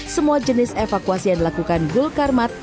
semua jenis evakuasi yang dilakukan gul karmat